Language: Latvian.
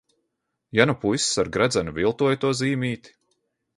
Ja nu puisis ar gredzenu viltoja to zīmīti?